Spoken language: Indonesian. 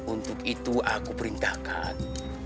untuk itu aku perintahkan